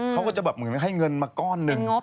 เขาก็จะแบบเหมือนให้เงินมาก้อนหนึ่ง